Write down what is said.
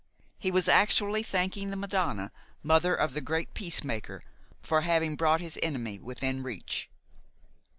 He was actually thanking the Madonna mother of the great peacemaker for having brought his enemy within reach!